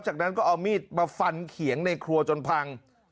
จากนั้นก็เอามีดมาฟันเขียงในครัวจนพัง